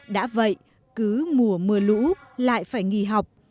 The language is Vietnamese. đã vậy cứ mùa mưa lũ lại phải nghỉ học